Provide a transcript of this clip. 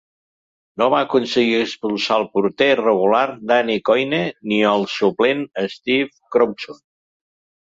No va aconseguir expulsar el porter regular Danny Coyne ni el suplent Steve Croudson.